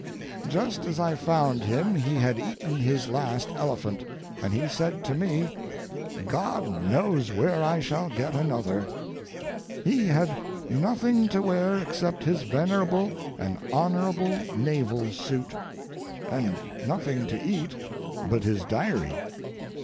Just as I found him he had eaten his last elephant, and he said to me: "God knows where I shall get another." He had nothing to wear except his venerable and honorable naval suit, and nothing to eat but his diary.